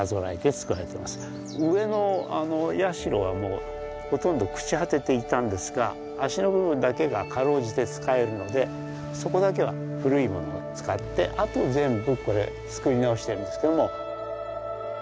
上の社はもうほとんど朽ち果てていたんですが脚の部分だけがかろうじて使えるのでそこだけは古いものを使ってあと全部これ造り直してるんですけども。